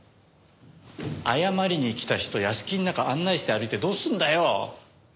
謝りに来た人屋敷ん中案内して歩いてどうすんだよ。